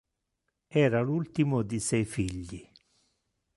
Era l'ultimo di sei figli.